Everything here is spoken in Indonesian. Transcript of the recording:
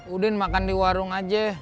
udin makan di warung aja